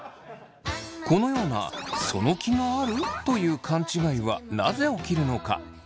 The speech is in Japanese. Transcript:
このような「その気がある？」という勘違いはなぜ起きるのか？